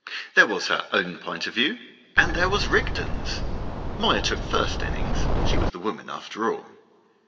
There was her own point of view, and there was Rigden's. Moya took first innings; she was the woman, after all.